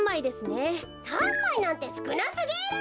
３まいなんてすくなすぎる。